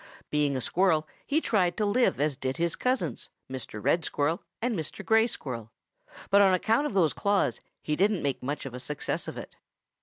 Being a Squirrel, he tried to live as did his cousins, Mr. Red Squirrel and Mr. Gray Squirrel, but on account of those claws he didn't make much of a success of it.